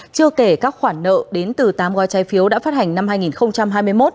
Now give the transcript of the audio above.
chưa kể các khoản nợ đến từ tám gói trái phiếu đã phát hành năm hai nghìn hai mươi một